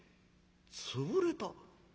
「潰れた？